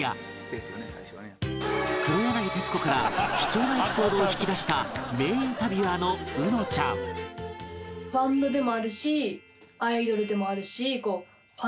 黒柳徹子から貴重なエピソードを引き出した名インタビュアーのうのちゃんでもあるしみたいな。